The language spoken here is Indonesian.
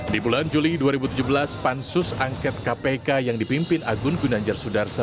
di bulan juli dua ribu tujuh belas pansus angket kpk yang dipimpin agun gunanjar sudarsa